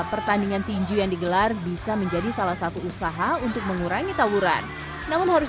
pertandingan tinju yang digelar bisa menjadi salah satu usaha untuk mengurangi tawuran namun harus